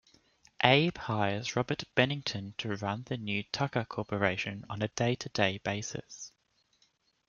Abe hires Robert Bennington to run the new Tucker Corporation on a day-to-day basis.